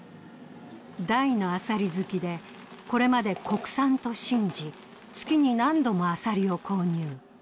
大のアサリ好きで、これまで国産と信じ、月に何度もアサリを購入。